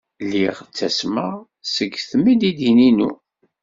Lliɣ ttasmeɣ seg tmeddidin-inu.